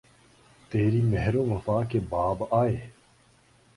تیری مہر و وفا کے باب آئے